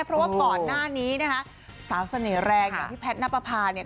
เพราะว่าก่อนหน้านี้นะคะสาวเสน่ห์แรงพี่แพทย์ณปภาเนี่ย